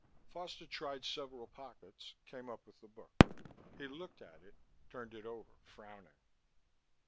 Foster tried several pockets, came up with the book. He looked at it, turned it over, frowning.